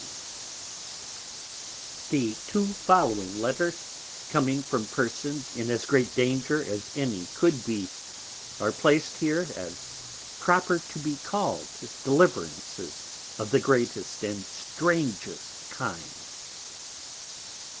_ The two following Letters, coming from Persons in as great Danger as any could be, are plac'd here, as proper to be call'd Deliverances of the greatest and strangest kind.